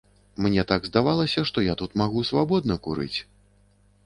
Мне так здавалася, што я тут магу свабодна курыць.